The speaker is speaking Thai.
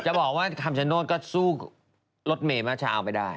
จะบอกแบบว่าคำชะโน้นสู้รถเมิมเช้าไปได้